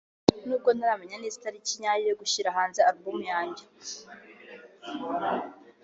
“N’ubwo ntaramenya neza itariki nyayo yo gushyira hanze album yanjye